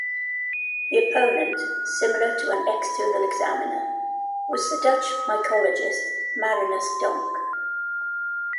The opponent (similar to an external examiner) was the Dutch mycologist Marinus Donk.